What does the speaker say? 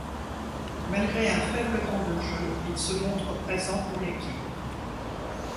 Malgré un faible temps de jeu il se montre présent pour l'équipe.